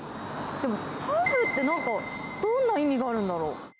でもタフってなんか、どんな意味があるんだろう。